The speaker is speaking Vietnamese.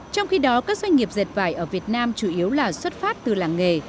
trong khi đó các doanh nghiệp dệt vải ở việt nam chủ yếu là xuất phát từ làng nghề